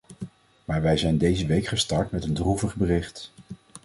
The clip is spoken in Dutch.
Maar wij zijn deze week gestart met een droevig bericht.